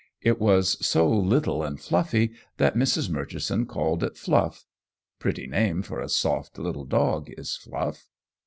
It was so little and fluffy that Mrs. Murchison called it Fluff. Pretty name for a soft, little dog is Fluff.